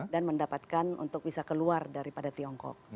dan mendapatkan untuk bisa keluar daripada tiongkok